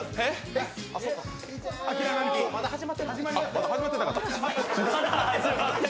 まだ始めてなかった？